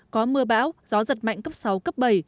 có mưa bão gió giật mạnh cấp sáu cấp bảy